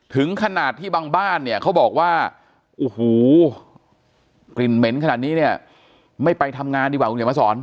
ถึงขนาดที่บางบ้านเนี่ยเขาบอกว่าโอ้โหกลิ่นเหม็นขนาดนี้เนี่ยไม่ไปทำงานดีกว่าคุณเขียนมาสอน